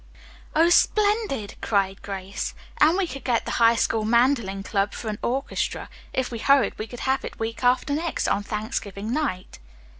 "Oh, splendid!" cried Grace. "And we could get the High School mandolin club for an orchestra. If we hurried we could have it week after next, on Thanksgiving night."